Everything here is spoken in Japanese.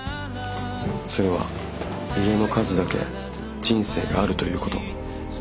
それは家の数だけ人生があるということ。